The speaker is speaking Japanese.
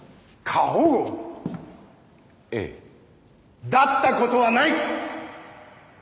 ええだったことはない！